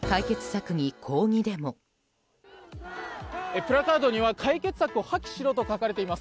プラカードには解決策を破棄しろと書かれています。